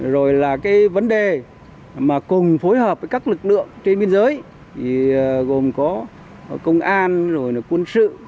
rồi là cái vấn đề mà cùng phối hợp với các lực lượng trên biên giới gồm có công an rồi là quân sự